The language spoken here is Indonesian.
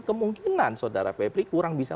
kemungkinan saudara febri kurang bisa